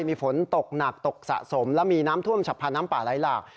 มีฝนตกหนักตกสะสมและมีน้ำท่วมฉับพันธ์น้ำป่าไหลหลาก